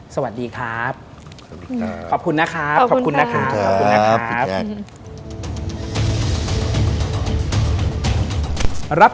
สวัสดีครับ